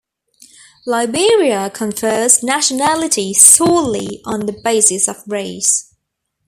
Liberia confers nationality solely on the basis of race.